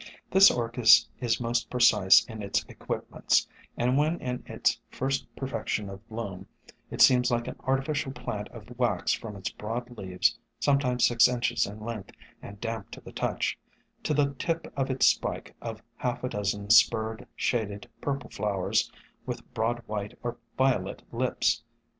This Orchis is most precise in its equipments, and when in its first perfection of bloom, it seems like an artificial plant of wax from its broad leaves, sometimes six inches in length and damp to the touch, to the tip of its spike of half a dozen spurred, shaded purple flowers with broad white or violet lips.